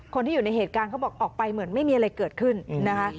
คนที่อยู่ในเหตุการณ์เขาบอกออกไปเหมือนไม่มีอะไรเกิดขึ้นนะคะ